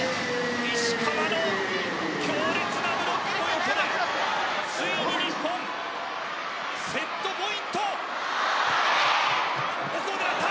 石川の強烈なブロックポイントでついに日本、セットポイント。